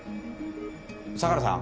相良さん？